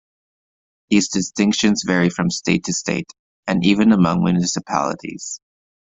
These distinctions vary from state to state, and even among municipalities.